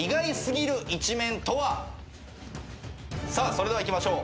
それではいきましょう。